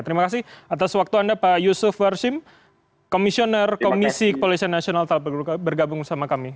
terima kasih atas waktu anda pak yusuf warsim komisioner komisi kepolisian nasional telapak gula bergabung sama kami